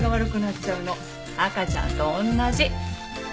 赤ちゃんと同じ。